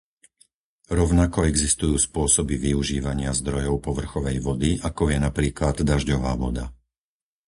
Rovnako existujú spôsoby využívania zdrojov povrchovej vody, akou je napríklad dažďová voda.